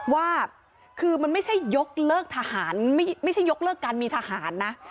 ว่าคือมันไม่ใช่ยกเลิกทหารไม่ใช่ยกเลิกการมีทหารนะ